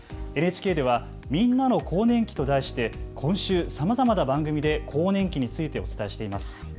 ＮＨＫでは、みんなの更年期と題して今週さまざまな番組で更年期についてお伝えしています。